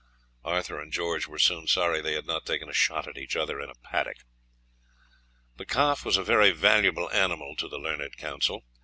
Arthur and George were soon sorry they had not taken a shot at each other in a paddock. The calf was a very valuable animal to the learned counsel.